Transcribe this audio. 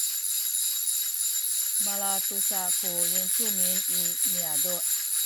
malatusa ku yincumin i niyazu’